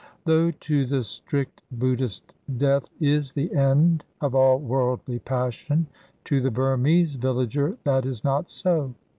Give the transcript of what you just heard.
Though to the strict Buddhist death is the end of all worldly passion, to the Burmese villager that is not so.